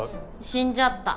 死んじゃった。